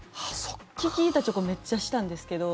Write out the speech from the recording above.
利き板チョコめっちゃしたんですけど。